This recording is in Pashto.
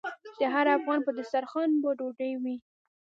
د هر افغان په دسترخان به ډوډۍ وي؟